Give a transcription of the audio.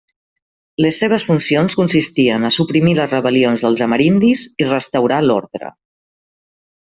Les seves funcions consistien a suprimir les rebel·lions dels amerindis i restaurar l'ordre.